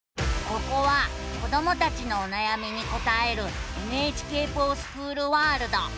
ここは子どもたちのおなやみに答える「ＮＨＫｆｏｒＳｃｈｏｏｌワールド」。